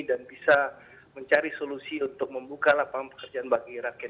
dan bisa mencari solusi untuk membuka lapangan pekerjaan bagi rakyat